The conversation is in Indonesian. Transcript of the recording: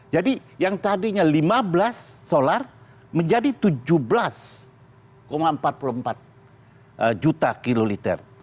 jadi yang tadinya lima belas solar menjadi tujuh belas empat puluh empat juta kiloliter